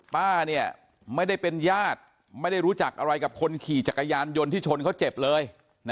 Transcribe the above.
ป้าไม่ได้เป็นญาติไม่ได้รู้จักอะไรกับคนขี่จักรยานยนต์ที่ชนเขาเจ็บเลย